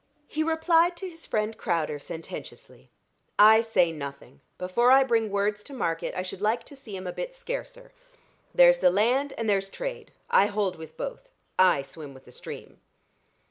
He replied to his friend Crowder sententiously. "I say nothing. Before I bring words to market, I should like to see 'em a bit scarcer. There's the land and there's trade I hold with both. I swim with the stream."